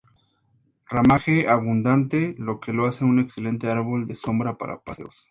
Ramaje abundante, lo que lo hace un excelente árbol de sombra para paseos.